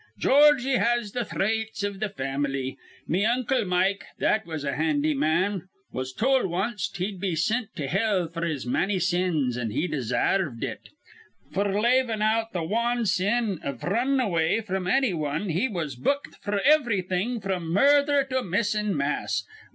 Georgy has th' thraits iv th' fam'ly. Me uncle Mike, that was a handy man, was tol' wanst he'd be sint to hell f'r his manny sins, an' he desarved it; f'r, lavin' out th' wan sin iv runnin' away fr'm annywan, he was booked f'r ivrything from murdher to missin' mass.